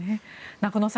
中野さん